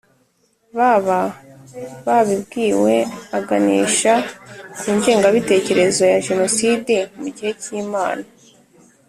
Baba babwiwe aganisha ku ngengabitekerezo ya jenoside mu gihe cy imana